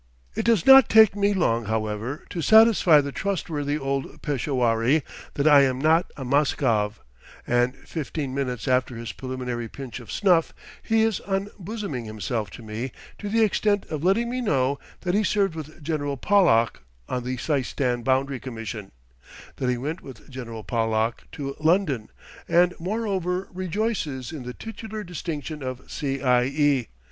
It does not take me long, however, to satisfy the trustworthy old Peshawari that I am not a Muscov, and fifteen minutes after his preliminary pinch of snuff, he is unbosoming himself to me to the extent of letting me know that he served with General Pollock on the Seistan Boundary Commission, that he went with General Pollock to London, and moreover rejoices in the titular distinction of C. I. E.